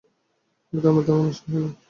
গ্রামে তেমন আসা হয় না।